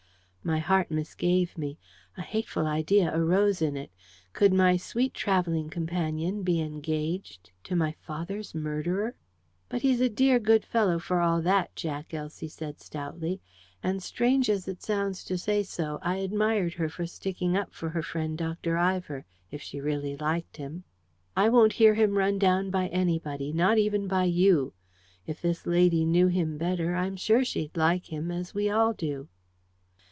My heart misgave me. A hateful idea arose in it. Could my sweet travelling companion be engaged to my father's murderer? "But he's a dear good fellow, for all that, Jack," Elsie said stoutly; and strange as it sounds to say so, I admired her for sticking up for her friend Dr. Ivor, if she really liked him. "I won't hear him run down by anybody, not even by YOU. If this lady knew him better, I'm sure she'd like him, as we all do."